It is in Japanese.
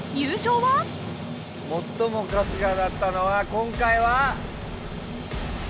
最も春日だったのは今回は。